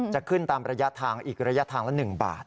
จะขึ้นตามระยะทางอีกระยะทางละ๑บาท